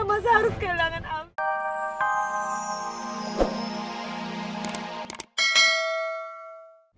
masih harus kehilangan afif